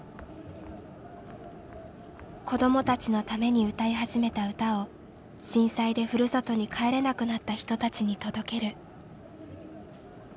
子どもたちのために歌い始めた歌を震災でふるさとに帰れなくなった人たちに届ける。